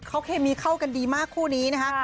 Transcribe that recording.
เขาเคมีเข้ากันดีมากคู่นี้นะคะ